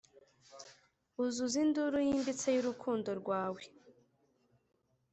uzuza induru yimbitse y'urukundo rwawe.